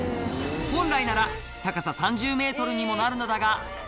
本来なら高さ３０メートルにもなるのだが。